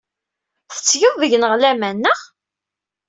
Tettgeḍ deg-neɣ laman, naɣ?